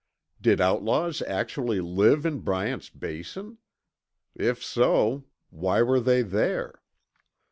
Did outlaws actually live in Bryant's Basin? If so, why were they there?